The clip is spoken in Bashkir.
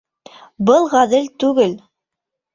Был ғәҙел түгел!